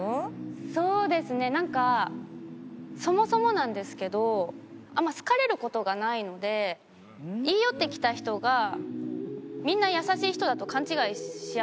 そうですねなんかそもそもなんですけどあんまり好かれる事がないので言い寄ってきた人がみんな優しい人だと勘違いしやすくて。